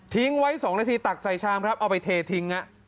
ไว้๒นาทีตักใส่ชามครับเอาไปเททิ้ง